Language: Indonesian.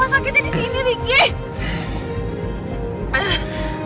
rumah sakitnya di sini ricky